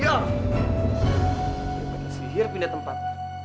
dia pake sihir pindah tempat